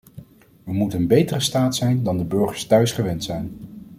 We moeten een betere staat zijn dan de burgers thuis gewend zijn.